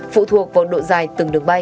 phụ thuộc vào độ dài từng đường bay